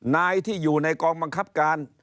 นายที่อยู่ในกองบังคับการ